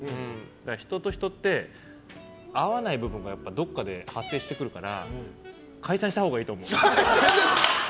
人と人って合わない部分がやっぱりどこかで発生してくるから解散したほうがいいと思う。